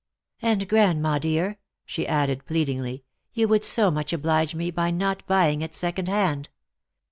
" And, grandma dear," she added pleadingly, " you would so much oblige me by not buying it second hand.